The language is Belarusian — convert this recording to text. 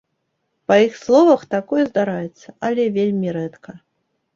Па іх словах, такое здараецца, але вельмі рэдка.